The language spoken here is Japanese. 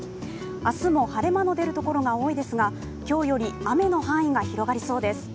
明日も晴れ間の出るところが多いですが今日より雨の範囲が広がりそうです。